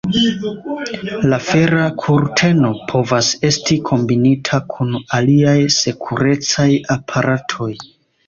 La fera kurteno povas esti kombinita kun aliaj sekurecaj aparatoj.